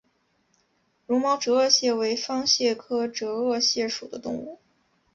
绒毛折颚蟹为方蟹科折颚蟹属的动物。